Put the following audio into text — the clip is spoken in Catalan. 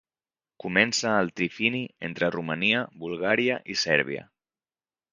Comença al trifini entre Romania, Bulgària i Sèrbia.